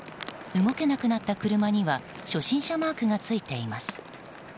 動けなくなった車には初心者マークがついています。